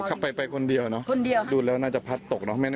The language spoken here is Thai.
ขับไปไปคนเดียวเนอะคนเดียวดูแล้วน่าจะพัดตกเนอะ